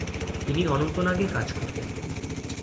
ইনি অনন্তনাগ-এ কাজ করতেন।